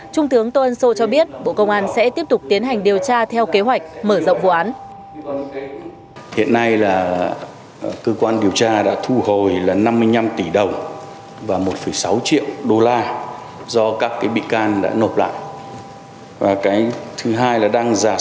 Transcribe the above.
trung tướng tôn sô cho biết bộ công an sẽ tiếp tục tiến hành điều tra theo kế hoạch mở rộng vụ án